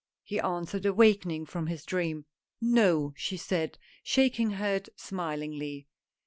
he answered, awakening from his dream. " No," she said, shaking her head, smilingly.